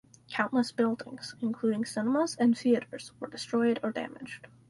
Countless buildings including cinemas and theaters were destroyed or damaged.